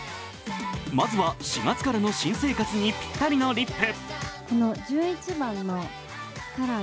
まずは、４月からの新生活にぴったりのリップ。